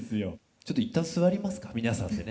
ちょっと一旦座りますか皆さんでね。